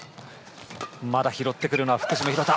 まだ拾ってくるのは福島廣田。